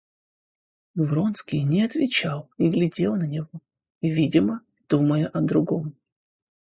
Вронский не отвечал и глядел на него, видимо, думая о другом.